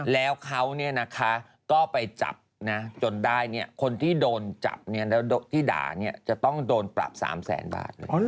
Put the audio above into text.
แล้วเขาก็ไปจับนะจนได้คนที่โดนจับที่ด่าจะต้องโดนปรับ๓แสนบาทเลย